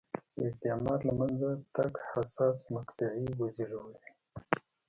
د استعمار له منځه تګ حساسې مقطعې وزېږولې.